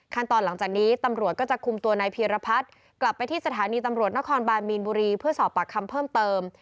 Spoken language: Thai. ตอนหลังจากนี้ตำรวจก็จะคุมตัวนายพีรพัฒน์กลับไปที่สถานีตำรวจนครบานมีนบุรีเพื่อสอบปากคำเพิ่มเติม